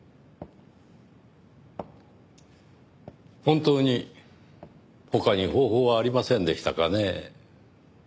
本当に他に方法はありませんでしたかねぇ。